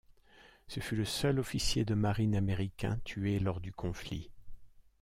Ce fut le seul officier de marine américain tué lors du conflit.